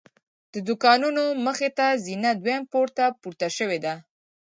د دوکانونو مخې ته زینه دویم پوړ ته پورته شوې ده.